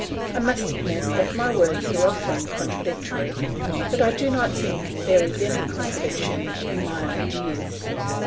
I must admit that my words are often contradictory, but I do not think there is any contradiction in my ideas.